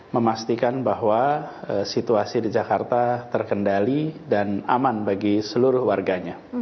memastikan bahwa situasi di jakarta terkendali dan aman bagi seluruh warganya